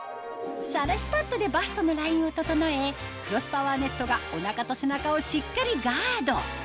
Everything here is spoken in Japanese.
さらしパッドでバストのラインを整えクロスパワーネットがおなかと背中をしっかりガード